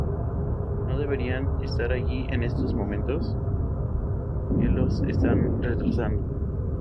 ¿ No deberían estar allí en estos momentos? ¿ qué los está retrasando?